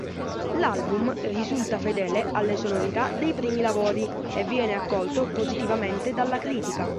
L'album risulta fedele alle sonorità dei primi lavori, e viene accolto positivamente dalla critica.